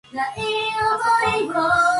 パソコン